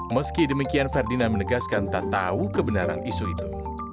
meski demikian ferdinand menegaskan tak tahu kebenaran isu itu